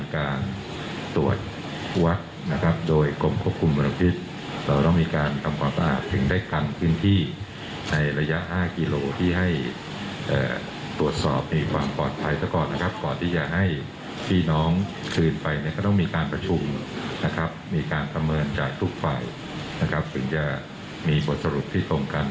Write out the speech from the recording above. กลับไปนะครับถึงจะมีบทสรุปที่ต้องกัน